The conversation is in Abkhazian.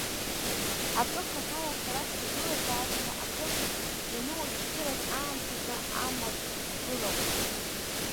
Акы, хаҭала сара сҭагылазаашьа акыр ианыуашәшәыраз аамҭазы амаҵә сзылаҟәит.